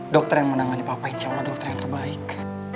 dokter yang menangani papa insya allah dokter yang terbaik